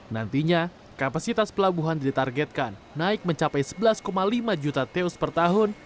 nantinya kapasitas pelabuhan ditargetkan naik mencapai sebelas lima juta teus per tahun